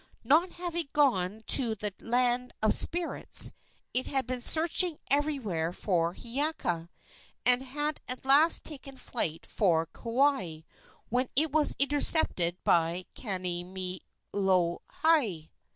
Not having gone to the land of spirits, it had been searching everywhere for Hiiaka, and had at last taken flight for Kauai, when it was intercepted by Kanemilohai.